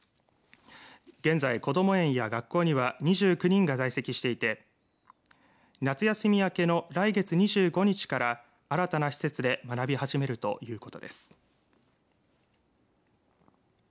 現在こども園や学校には２９人が在籍していて夏休み明けの来月２５日から新たな施設で学び始めるということです。